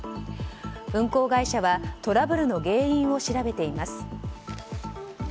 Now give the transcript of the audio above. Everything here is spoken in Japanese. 運行会社はトラブルの原因を調べています。